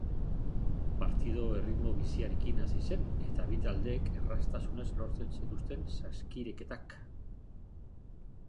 Partida erritmo biziarekin hasi zen eta bi taldeek erraztasunez lortzen zituzten saskireketak.